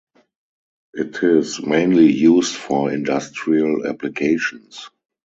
It is mainly used for industrial applications.